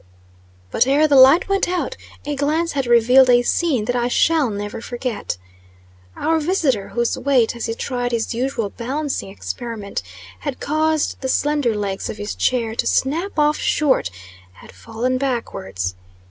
But, ere the light went out, a glance had revealed a scene that I shall never forget. Our visitor, whose weight, as he tried his usual balancing experiment, had caused the slender legs of his chair to snap off short, had fallen backwards.